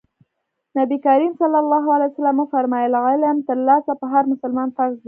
نبي کريم ص وفرمايل علم ترلاسی په هر مسلمان فرض دی.